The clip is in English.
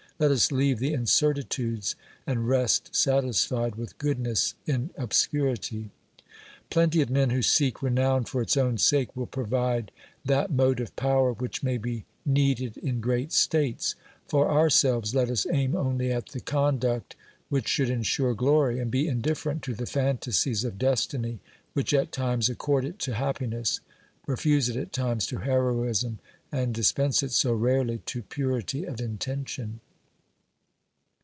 Let us leave the incertitudes and rest satisfied with goodness in obscurity. Plenty of men who seek renown for its own sake will provide that motive power which may be needed in great states ; for our selves let us aim only at the conduct which should insure glory, and be indifferent to the fantasies of destiny which at times accord it to happiness, refuse it at times to heroism, and dispense it so rarely to purity of intention.